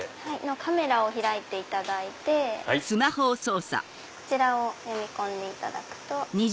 カメラを開いていただいてこちらを読み込んでいただくと。